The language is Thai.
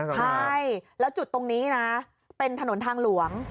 ใช่แล้วจุดตรงนี้นะเป็นถนนทางหลวง